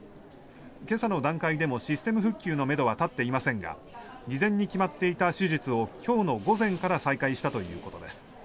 今朝の段階でもシステム復旧のめどは立っていませんが事前に決まっていた手術を今日の午前から再開したということです。